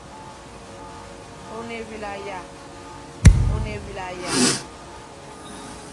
One ewula ya?